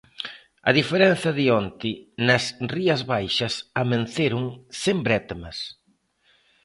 A diferenza de onte, nas Rías Baixas amenceron sen brétemas.